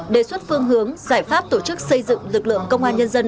đề xuất phương hướng giải pháp tổ chức xây dựng lực lượng công an nhân dân